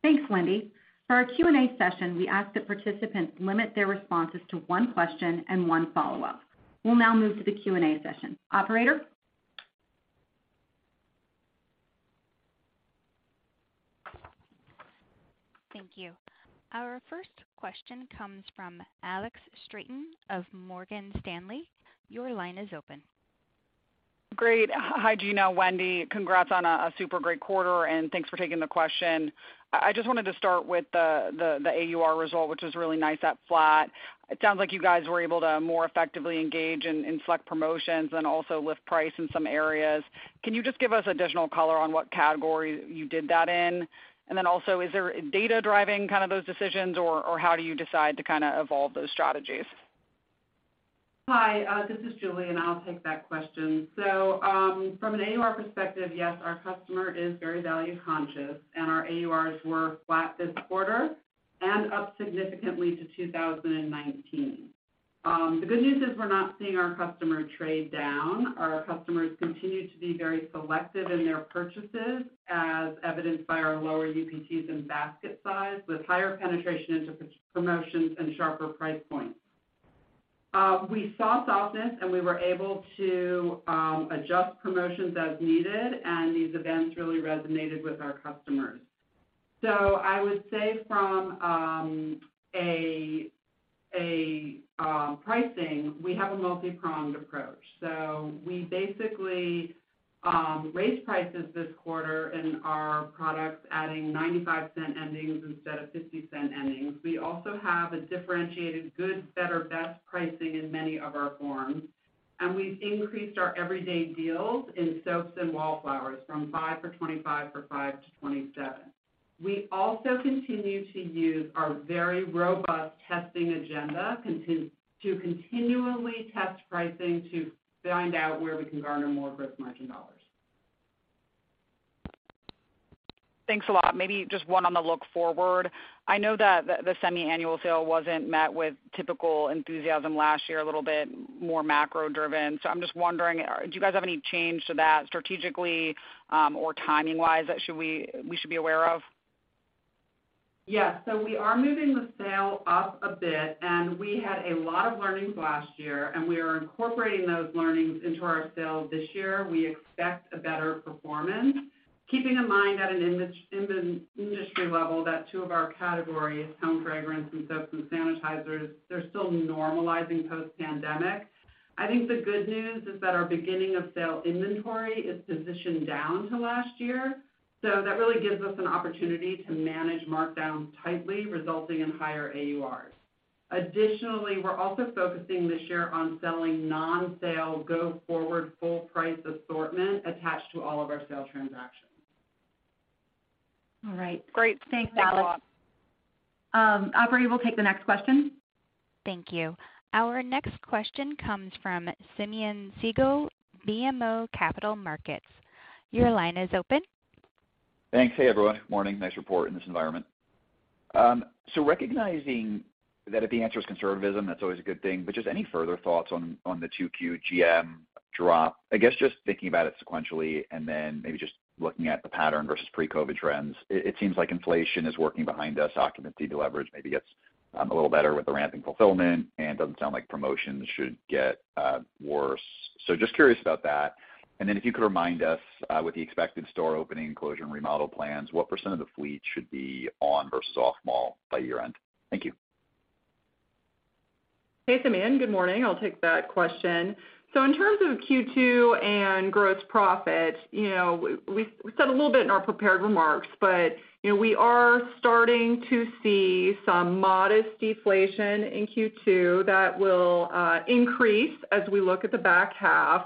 B: Thanks, Eva Boratto. For our Q&A session, we ask that participants limit their responses to one question and one follow-up. We'll now move to the Q&A session. Operator?
A: Thank you. Our first question comes from Alex Straton of Morgan Stanley. Your line is open.
F: Great. Hi, Gina, Wendy. Congrats on a super great quarter. Thanks for taking the question. I just wanted to start with the AUR result, which is really nice at flat. It sounds like you guys were able to more effectively engage in select promotions and also lift price in some areas. Can you just give us additional color on what category you did that in? Is there data driving kind of those decisions, or how do you decide to kind of evolve those strategies?
D: Hi, this is Julie, I'll take that question. From an AUR perspective, yes, our customer is very value-conscious, our AURs were flat this quarter and up significantly to 2019. The good news is we're not seeing our customer trade down. Our customers continue to be very selective in their purchases, as evidenced by our lower UPTs and basket size, with higher penetration into promotions and sharper price points. We saw softness, we were able to adjust promotions as needed, these events really resonated with our customers. I would say from a pricing, we have a multi-pronged approach. We basically raised prices this quarter in our products, adding 95 cent endings instead of 50 cent endings. We also have a differentiated good, better, best pricing in many of our forms, and we've increased our everyday deals in soaps and Wallflowers from 5 for $25 or 5 to $27. We also continue to use our very robust testing agenda to continually test pricing to find out where we can garner more gross margin dollars.
F: Thanks a lot. Maybe just one on the look forward. I know that the semi-annual sale wasn't met with typical enthusiasm last year, a little bit more macro-driven. I'm just wondering, do you guys have any change to that strategically, or timing-wise that we should be aware of?
E: Yes. We are moving the sale up a bit, and we had a lot of learnings last year, and we are incorporating those learnings into our sale this year. We expect a better performance. Keeping in mind at an industry level that two of our categories, home fragrance and soaps and sanitizers, they're still normalizing post-pandemic. I think the good news is that our beginning of sale inventory is positioned down to last year. That really gives us an opportunity to manage markdowns tightly, resulting in higher AURs. Additionally, we're also focusing this year on selling non-sale go forward full price assortment attached to all of our sale transactions.
F: All right. Great. Thanks a lot.
E: Thanks, Alex.
B: Operator, we'll take the next question.
A: Thank you. Our next question comes from Simeon Siegel, BMO Capital Markets. Your line is open.
G: Thanks. Hey, everyone. Morning. Nice report in this environment. Recognizing that if the answer is conservatism, that's always a good thing, but just any further thoughts on the 2Q GM drop. I guess just thinking about it sequentially and then maybe just looking at the pattern versus pre-COVID trends, it seems like inflation is working behind us, occupancy deleverage maybe gets a little better with the ramp in fulfillment, and doesn't sound like promotions should get worse. Just curious about that. If you could remind us with the expected store opening closure and remodel plans, what % of the fleet should be on versus off mall by year-end? Thank you.
E: Hey, Simeon Siegel. Good morning. I'll take that question. In terms of Q2 and gross profit, you know, we said a little bit in our prepared remarks, but, you know, we are starting to see some modest deflation in Q2 that will increase as we look at the back half.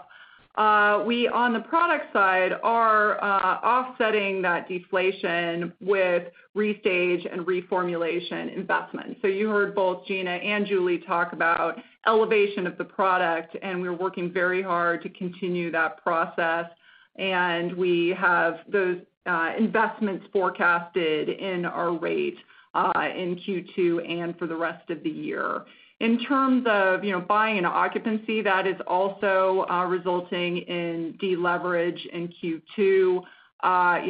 E: We on the product side are offsetting that deflation with restage and reformulation investments. You heard both Gina Boswell and Julie Rosen talk about elevation of the product, and we're working very hard to continue that process. We have those investments forecasted in our rate in Q2 and for the rest of the year. In terms of, you know, buying and occupancy, that is also resulting in deleverage in Q2. You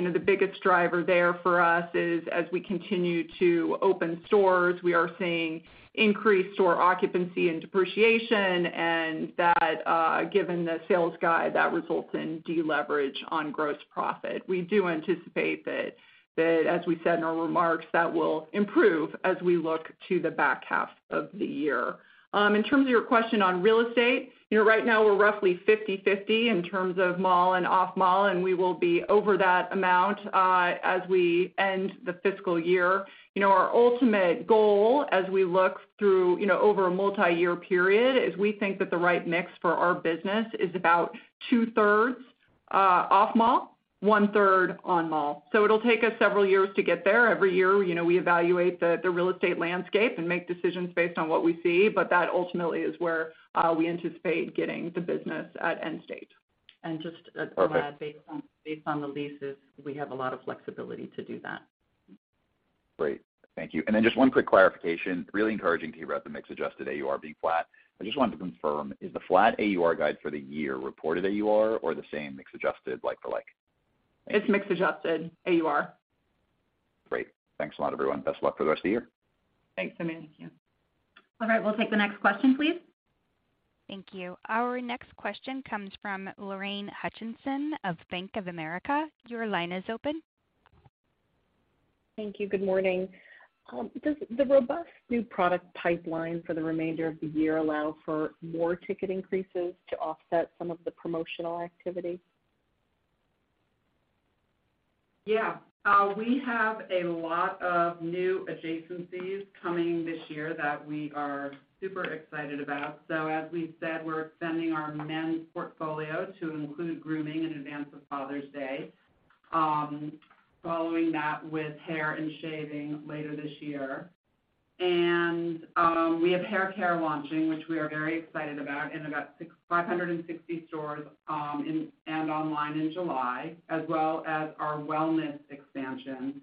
E: know, the biggest driver there for us is, as we continue to open stores, we are seeing increased store occupancy and depreciation, and that, given the sales guide, that results in deleverage on gross profit. We do anticipate that, as we said in our remarks, that will improve as we look to the back half of the year. In terms of your question on real estate, you know, right now we're roughly 50/50 in terms of mall and off-mall, and we will be over that amount, as we end the fiscal year. You know, our ultimate goal as we look through, you know, over a multiyear period is we think that the right mix for our business is about 2/3 off-mall, 1/3 on-mall. It'll take us several years to get there. Every year, you know, we evaluate the real estate landscape and make decisions based on what we see, but that ultimately is where we anticipate getting the business at end state.
C: Just to add based on the leases, we have a lot of flexibility to do that.
G: Great. Thank you. Then just one quick clarification. Really encouraging to hear about the mix adjusted AUR being flat. I just wanted to confirm, is the flat AUR guide for the year reported AUR or the same mix adjusted like for like?
E: It's mix adjusted AUR.
G: Great. Thanks a lot, everyone. Best of luck for the rest of the year.
E: Thanks, Simeon.
C: Thank you.
B: All right, we'll take the next question, please.
A: Thank you. Our next question comes from Lorraine Hutchinson of Bank of America. Your line is open.
H: Thank you. Good morning. Does the robust new product pipeline for the remainder of the year allow for more ticket increases to offset some of the promotional activity?
E: We have a lot of new adjacencies coming this year that we are super excited about. As we've said, we're extending our men's portfolio to include grooming in advance of Father's Day, following that with hair and shaving later this year. We have haircare launching, which we are very excited about, in about 560 stores and online in July, as well as our wellness expansion.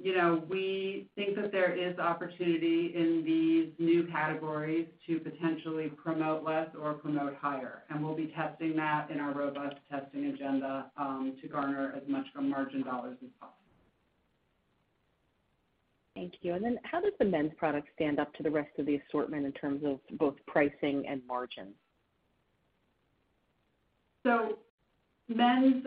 E: You know, we think that there is opportunity in these new categories to potentially promote less or promote higher, and we'll be testing that in our robust testing agenda to garner as much margin dollars as possible.
H: Thank you. Then how does the men's product stand up to the rest of the assortment in terms of both pricing and margins?
E: Men's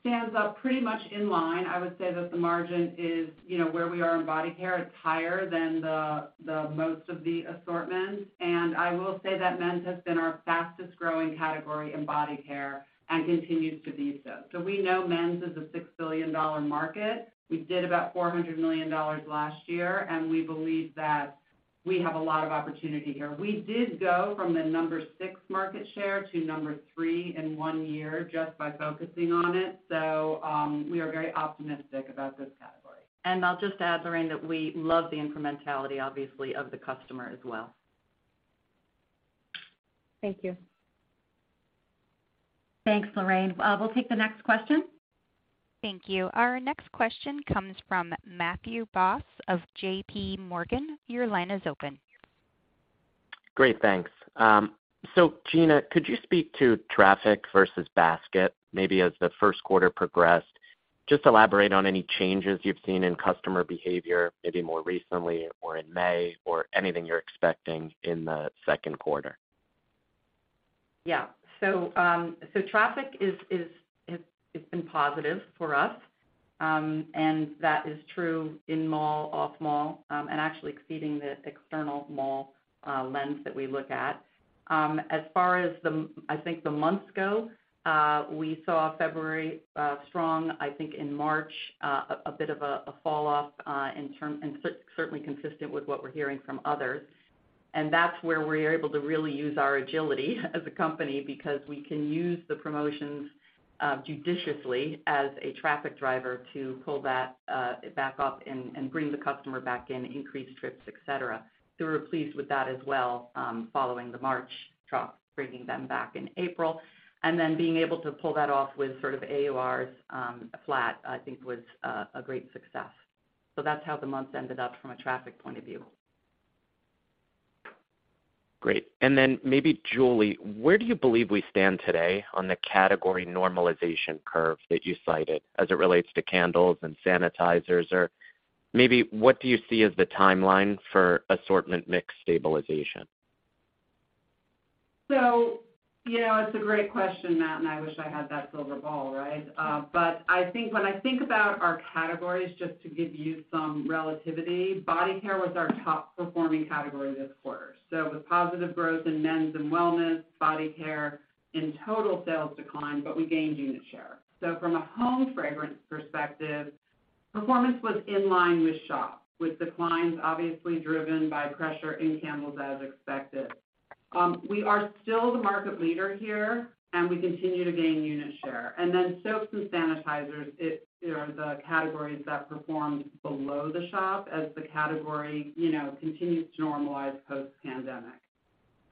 E: stands up pretty much in line. I would say that the margin is, you know, where we are in body care. It's higher than the most of the assortments. I will say that men's has been our fastest-growing category in body care and continues to be so. We know men's is a $6 billion market. We did about $400 million last year, and we believe that we have a lot of opportunity here. We did go from the number six market share to number three in one year just by focusing on it. We are very optimistic about this category.
C: I'll just add, Lorraine, that we love the incrementality, obviously, of the customer as well.
H: Thank you.
B: Thanks, Lorraine. We'll take the next question.
A: Thank you. Our next question comes from Matthew Boss of JPMorgan. Your line is open.
I: Great. Thanks. Gina, could you speak to traffic versus basket, maybe as the first quarter progressed? Just elaborate on any changes you've seen in customer behavior, maybe more recently or in May or anything you're expecting in the second quarter.
C: Yeah. Traffic is, it's been positive for us, and that is true in-mall, off-mall, and actually exceeding the external mall lens that we look at. As far as the, I think the months go, we saw February strong, I think in March a bit of a falloff, certainly consistent with what we're hearing from others. That's where we're able to really use our agility as a company because we can use the promotions judiciously as a traffic driver to pull that back up and bring the customer back in, increase trips, et cetera. We're pleased with that as well, following the March drop, bringing them back in April, being able to pull that off with sort of AURs, flat, I think was a great success. That's how the months ended up from a traffic point of view.
I: Great. Maybe Julie, where do you believe we stand today on the category normalization curve that you cited as it relates to candles and sanitizers? Or maybe what do you see as the timeline for assortment mix stabilization?
D: You know, it's a great question, Matt, and I wish I had that silver ball, right? I think when I think about our categories, just to give you some relativity, body care was our top performing category this quarter. It was positive growth in men's and wellness. Body care in total sales declined, but we gained unit share. From a home fragrance perspective, performance was in line with shop, with declines obviously driven by pressure in candles as expected. We are still the market leader here, and we continue to gain unit share. Soaps and sanitizers are the categories that performed below the shop as the category, you know, continues to normalize post-pandemic.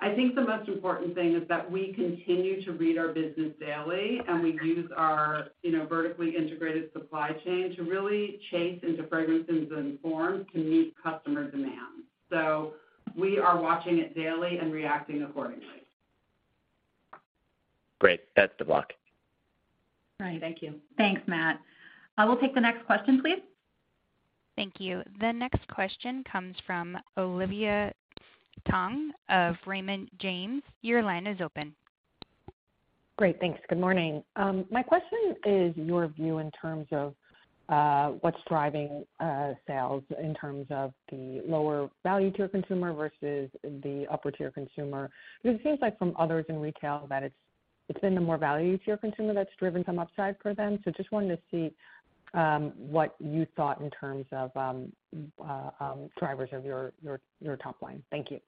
D: I think the most important thing is that we continue to read our business daily. We use our, you know, vertically integrated supply chain to really chase into fragrances and forms to meet customer demand. We are watching it daily and reacting accordingly.
J: Great. Best of luck.
C: All right. Thank you. Thanks, Matt. We'll take the next question, please.
A: Thank you. The next question comes from Olivia Tong of Raymond James. Your line is open.
K: Great. Thanks. Good morning. My question is your view in terms of what's driving sales in terms of the lower value to your consumer versus the upper tier consumer. It seems like from others in retail that it's been the more value to your consumer that's driven some upside for them. Just wanted to see what you thought in terms of drivers of your top line. Thank you.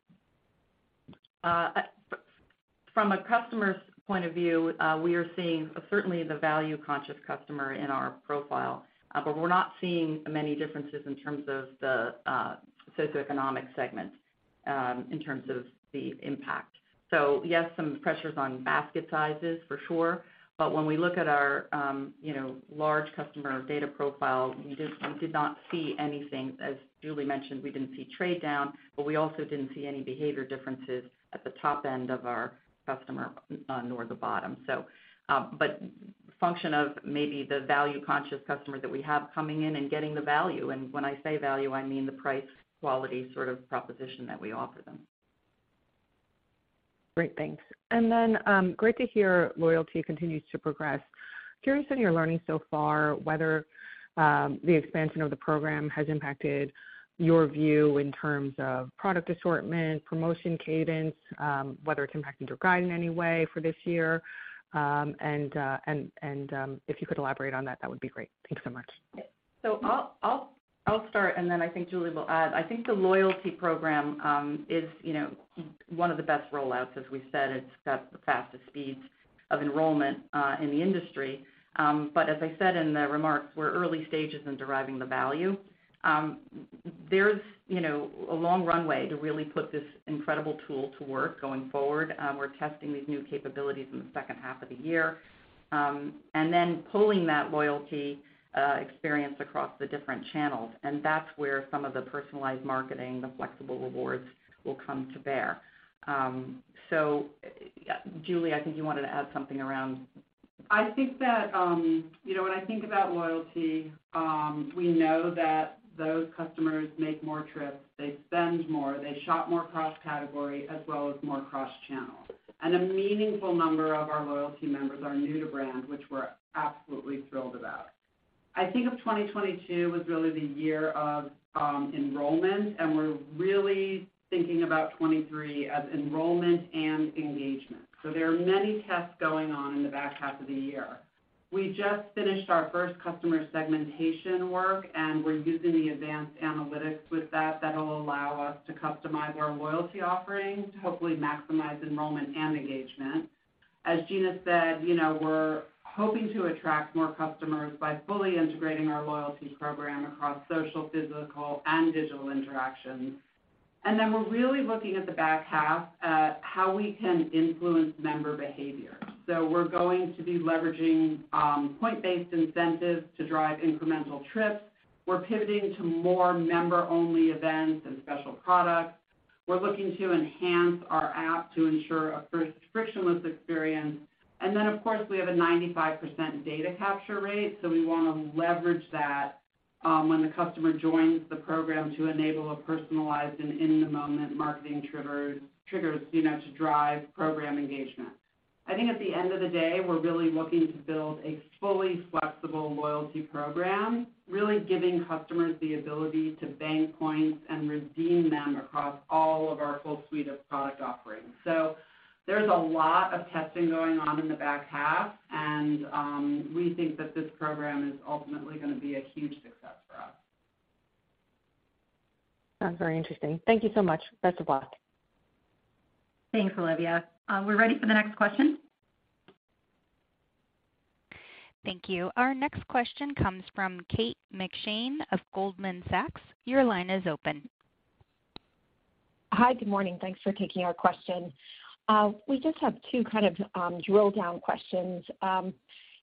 C: From a customer's point of view, we are seeing certainly the value conscious customer in our profile, but we're not seeing many differences in terms of the socioeconomic segment in terms of the impact. Yes, some pressures on basket sizes for sure, but when we look at our, you know, large customer data profile, we did not see anything. As Julie mentioned, we didn't see trade down, but we also didn't see any behavior differences at the top end of our customer, nor the bottom. But function of maybe the value conscious customer that we have coming in and getting the value, and when I say value, I mean the price, quality sort of proposition that we offer them.
K: Great. Thanks. Great to hear loyalty continues to progress. Curious in your learning so far whether the expansion of the program has impacted your view in terms of product assortment, promotion cadence, whether it's impacting your guide in any way for this year. If you could elaborate on that would be great. Thank you so much.
C: I'll start, then I think Julie will add. I think the loyalty program, you know, one of the best rollouts. As we said, it's got the fastest speeds of enrollment in the industry. As I said in the remarks, we're early stages in deriving the value. There's, you know, a long runway to really put this incredible tool to work going forward. We're testing these new capabilities in the second half of the year, then pulling that loyalty experience across the different channels, and that's where some of the personalized marketing, the flexible rewards will come to bear. Julie, I think you wanted to add something around...
D: I think that, you know, when I think about loyalty, we know that those customers make more trips, they spend more, they shop more cross-category as well as more cross-channel. A meaningful number of our loyalty members are new to brand, which we're absolutely thrilled about. I think of 2022 as really the year of enrollment, we're really thinking about 2023 as enrollment and engagement. There are many tests going on in the back half of the year. We just finished our first customer segmentation work, we're using the advanced analytics with that'll allow us to customize our loyalty offerings to hopefully maximize enrollment and engagement. As Gina said, you know, we're hoping to attract more customers by fully integrating our loyalty program across social, physical, and digital interactions. We're really looking at the back half at how we can influence member behavior. We're going to be leveraging point-based incentives to drive incremental trips. We're pivoting to more member-only events and special products. We're looking to enhance our app to ensure a frictionless experience. Of course, we have a 95% data capture rate, so we wanna leverage that when the customer joins the program to enable a personalized and in-the-moment marketing triggers, you know, to drive program engagement. I think at the end of the day, we're really looking to build a fully flexible loyalty program, really giving customers the ability to bank points and redeem them across all of our full suite of product offerings. There's a lot of testing going on in the back half, and, we think that this program is ultimately gonna be a huge success for us.
K: Sounds very interesting. Thank you so much. Best of luck.
C: Thanks, Olivia. We're ready for the next question.
A: Thank you. Our next question comes from Kate McShane of Goldman Sachs. Your line is open.
L: Hi. Good morning. Thanks for taking our question. We just have two kind of drill-down questions.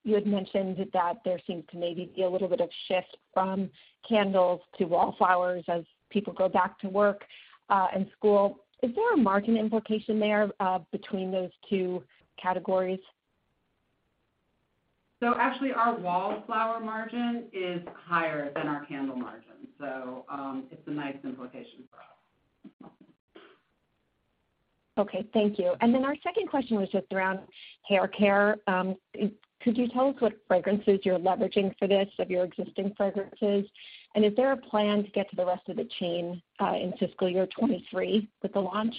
L: You had mentioned that there seems to maybe be a little bit of shift from candles to Wallflowers as people go back to work and school. Is there a margin implication there between those two categories?
E: Actually our Wallflower margin is higher than our candle margin, so, it's a nice implication for us.
M: Okay, thank you. Our second question was just around hair care. Could you tell us what fragrances you're leveraging for this of your existing fragrances? Is there a plan to get to the rest of the chain in fiscal year 23 with the launch?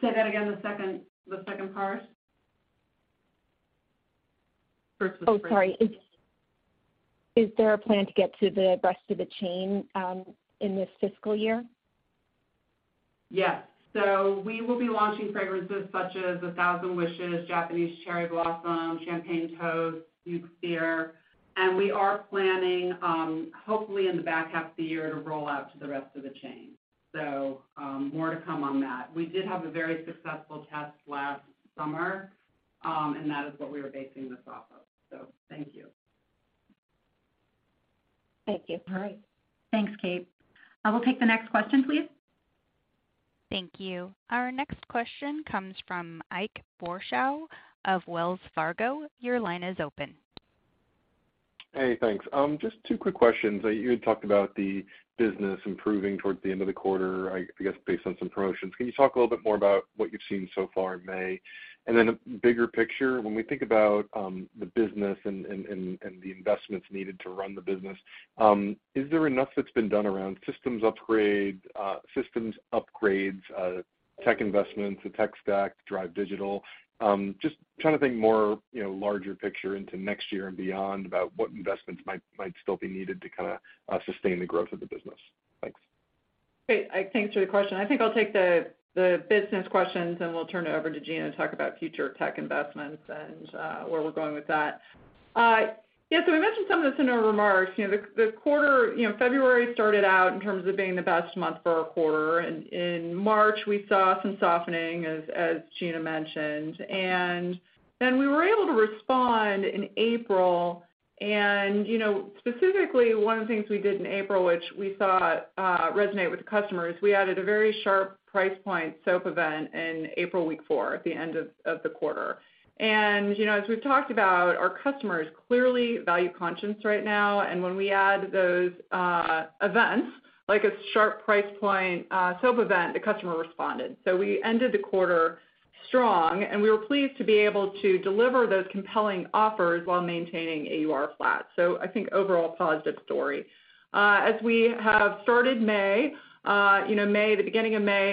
E: Say that again, the second part. First was great.
M: Oh, sorry. Is there a plan to get to the rest of the chain, in this fiscal year?
E: Yes. We will be launching fragrances such as A Thousand Wishes, Japanese Cherry Blossom, Champagne Toast, [Youth Sphere]. We are planning, hopefully in the back half of the year to roll out to the rest of the chain. More to come on that. We did have a very successful test last summer, and that is what we are basing this off of. Thank you.
M: Thank you.
C: All right. Thanks, Kate. We'll take the next question, please.
A: Thank you. Our next question comes from Ike Boruchow of Wells Fargo. Your line is open.
N: Hey, thanks. Just two quick questions. You had talked about the business improving towards the end of the quarter, I guess based on some promotions. Can you talk a little bit more about what you've seen so far in May? Bigger picture, when we think about the business and the investments needed to run the business, is there enough that's been done around systems upgrade, systems upgrades, tech investments, the tech stack to drive digital? Just trying to think more, you know, larger picture into next year and beyond about what investments might still be needed to kinda sustain the growth of the business. Thanks.
E: Great. Ike, thanks for the question. I think I'll take the business questions, and we'll turn it over to Gina to talk about future tech investments and where we're going with that. Yeah. We mentioned some of this in our remarks. You know, the quarter. You know, February started out in terms of being the best month for our quarter. In March, we saw some softening as Gina mentioned. Then we were able to respond in April and, you know, specifically one of the things we did in April, which we saw resonate with customers, we added a very sharp price point soap event in April week four at the end of the quarter. You know, as we've talked about, our customers clearly value conscience right now. When we add those events, like a sharp price point, soap event, the customer responded. We ended the quarter strong, and we were pleased to be able to deliver those compelling offers while maintaining AUR flat. I think overall positive story. As we have started May, you know, May, the beginning of May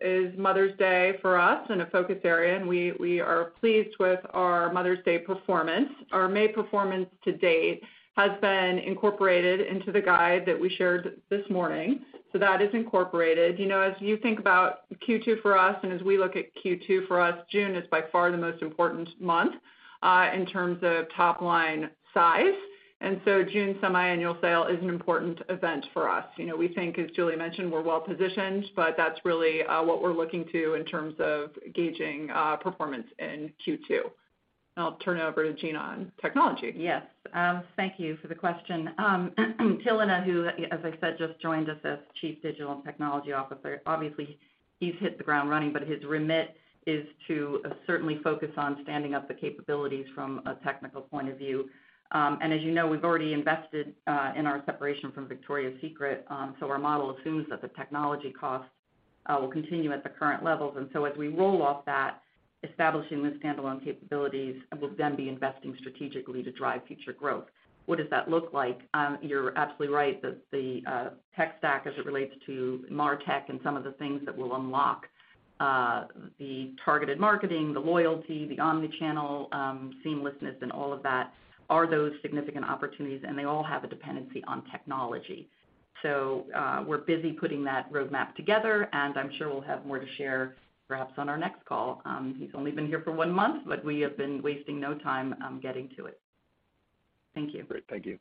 E: is Mother's Day for us and a focus area, and we are pleased with our Mother's Day performance. Our May performance to date has been incorporated into the guide that we shared this morning. That is incorporated. You know, as you think about Q2 for us and as we look at Q2 for us, June is by far the most important month in terms of top line size. June semi-annual sale is an important event for us. You know, we think, as Julie mentioned, we're well positioned, but that's really, what we're looking to in terms of gauging, performance in Q2. I'll turn it over to Gina on technology.
C: Yes. Thank you for the question. Thilina, who, as I said, just joined us as Chief Digital and Technology Officer, obviously he's hit the ground running, but his remit is to certainly focus on standing up the capabilities from a technical point of view. As you know, we've already invested in our separation from Victoria's Secret. Our model assumes that the technology costs will continue at the current levels. As we roll off that, establishing the standalone capabilities, we'll then be investing strategically to drive future growth. What does that look like? You're absolutely right that the tech stack as it relates to MarTech and some of the things that will unlock the targeted marketing, the loyalty, the omni-channel, seamlessness and all of that are those significant opportunities, and they all have a dependency on technology. We're busy putting that roadmap together, and I'm sure we'll have more to share perhaps on our next call. He's only been here for 1 month, but we have been wasting no time, getting to it. Thank you.
N: Great. Thank you.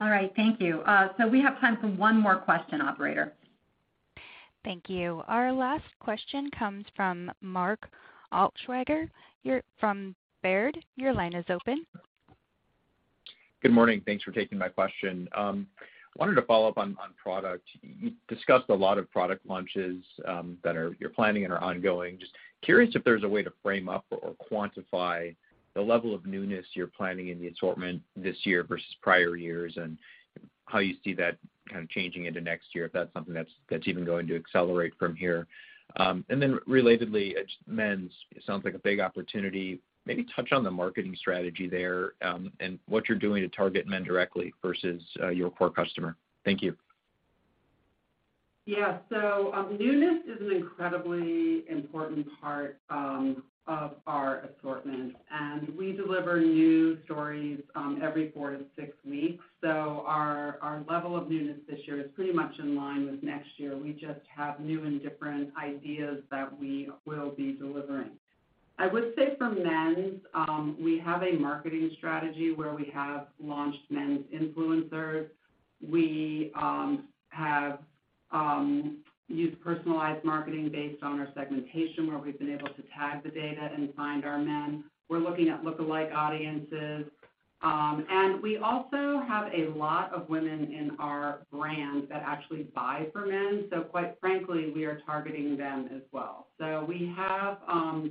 C: All right. Thank you. We have time for one more question, operator.
A: Thank you. Our last question comes from Mark Altschwager. From Baird. Your line is open.
O: Good morning. Thanks for taking my question. wanted to follow up on product. You discussed a lot of product launches, you're planning and are ongoing. Just curious if there's a way to frame up or quantify the level of newness you're planning in the assortment this year versus prior years and how you see that kind of changing into next year, if that's something that's even going to accelerate from here. Relatedly, it's men's, it sounds like a big opportunity. Maybe touch on the marketing strategy there, and what you're doing to target men directly versus, your core customer? Thank you.
E: Newness is an incredibly important part of our assortment, and we deliver new stories every four to six weeks. Our level of newness this year is pretty much in line with next year. We just have new and different ideas that we will be delivering. I would say for men's, we have a marketing strategy where we have launched men's influencers. We have used personalized marketing based on our segmentation, where we've been able to tag the data and find our men. We're looking at look-alike audiences. And we also have a lot of women in our brand that actually buy for men. Quite frankly, we are targeting them as well. We have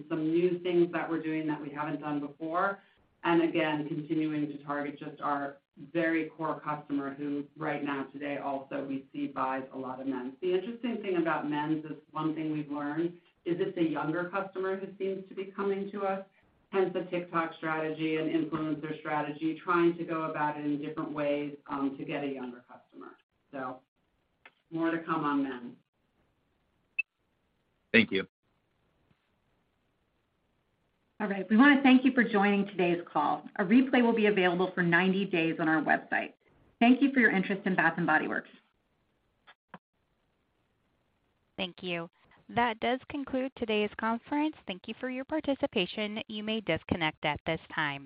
E: some new things that we're doing that we haven't done before. Again, continuing to target just our very core customer who right now today also we see buys a lot of men's. The interesting thing about men's is one thing we've learned is it's a younger customer who seems to be coming to us, hence the TikTok strategy and influencer strategy, trying to go about it in different ways to get a younger customer. More to come on men.
O: Thank you.
C: All right. We wanna thank you for joining today's call. A replay will be available for 90 days on our website. Thank you for your interest in Bath & Body Works.
A: Thank you. That does conclude today's conference. Thank you for your participation. You may disconnect at this time.